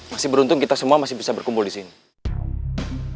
masih beruntung kita semua masih bisa berkumpul di sini